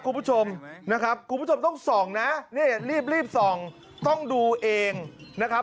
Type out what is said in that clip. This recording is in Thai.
คุณผู้ชมนะครับคุณผู้ชมต้องส่องนะนี่รีบรีบส่องต้องดูเองนะครับ